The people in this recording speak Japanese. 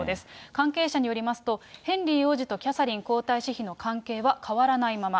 関係者によりますと、ヘンリー王子とキャサリン皇太子妃の関係は変わらないまま。